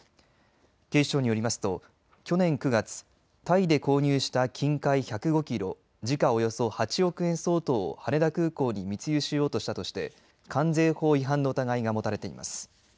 警視庁によりますと去年９月、タイで購入した金塊１０５キロ、時価およそ８億円相当を羽田空港に密輸しようとしたとして関税法違反の疑いが持たれています。